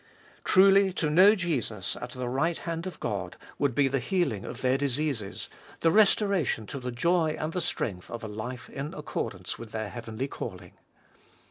Truly to know Jesus at the right hand of God would be the healing of their diseases, the restoration to the joy and the strength of a life in accordance with their heavenly calling.